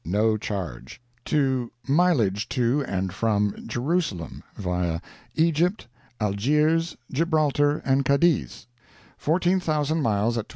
No charge. To mileage to and from Jerusalem, via Egypt, Algiers, Gibraltar, and Cadiz, 14,000 miles, at 20c.